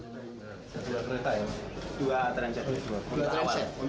satu kereta ya dua train set